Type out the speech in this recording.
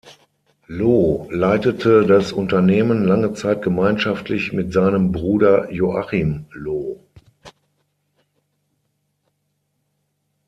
Loh leitete das Unternehmen lange Zeit gemeinschaftlich mit seinem Bruder Joachim Loh.